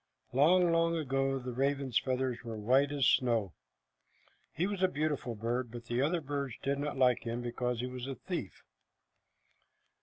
Long, long ago the raven's feathers were white as snow. He was a beautiful bird, but the other birds did not like him because he was a thief.